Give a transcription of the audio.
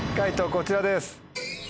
こちらです。